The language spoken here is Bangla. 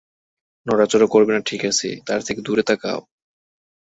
নড়াচড়া করবে না ঠিক আছে, তার থেকে দূরে তাকাও।